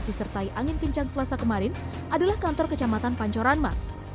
disertai angin kencang selasa kemarin adalah kantor kecamatan pancoranmas